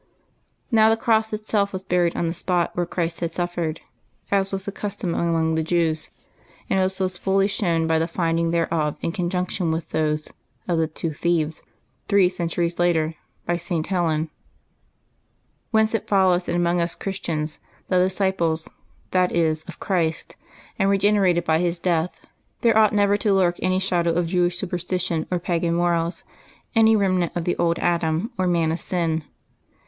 ISTow the cross itself was buried on the spot where Christ had suffered, as was the custom among the Jews, and as was fully shown by the finding thereof in conjunction with those of the two thieves, three centuries later, by St. Helen ; whence it follows that among us Christians, the disciples, that is, of Christ, and regenerated by His death, there ought never to lurk any shadow of Jewish superstition or pagan morals, any remnant of the old Adam or man of sin.